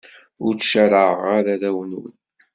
Ur ttcaṛaɛeɣ arraw-nwen.